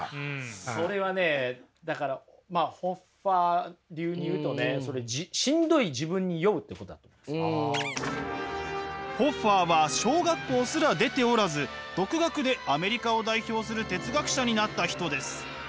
それはねだからホッファー流に言うとねホッファーは小学校すら出ておらず独学でアメリカを代表する哲学者になった人です。